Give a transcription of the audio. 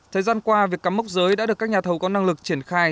thời gian qua việc cắm mốc giới đã được các nhà thầu có năng lực triển khai